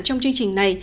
trong chương trình này